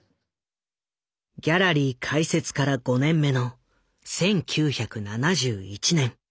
ギャラリー開設から５年目の１９７１年